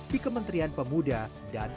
di kementerian pemuda dan